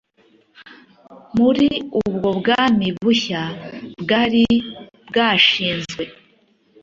muri ubwo bwami bushya bwari bwashinzwe